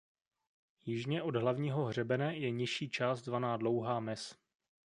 Jižně od hlavního hřebene je nižší část zvaná Dlouhá mez.